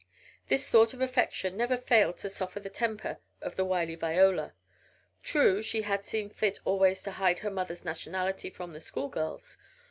This thought of affection never failed to soften the temper of the wily Viola. True she had seen fit always to hide her mother's nationality from the schoolgirls.